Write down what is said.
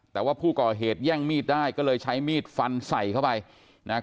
แต่ว่าผู้ก่อเหตุแย่งมีดได้ก็เลยใช้มีดฟันใส่เข้าไปนะฮะ